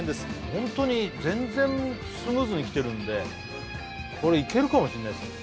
ホントに全然スムーズにきてるんでこれいけるかもしれないですよ